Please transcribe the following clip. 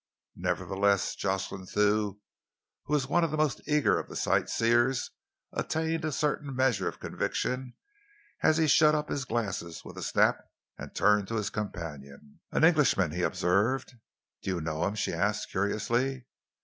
Nevertheless, Jocelyn Thew, who was one of the most eager of the sightseers, attained a certain measure of conviction as he shut up his glasses with a snap and turned to his companion. "An Englishman," he observed. "Do you know him?" she asked curiously.